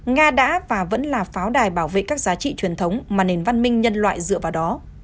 nga đã và vẫn là pháo đài bảo vệ các giá trị truyền thống mà nền văn minh nhân loại dựa vào đó